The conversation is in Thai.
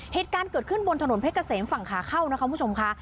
เหตุการณ์เกิดขึ้นบนถนนเพชรเกษมฝั่งขาเข้านะคะคุณผู้ชมค่ะ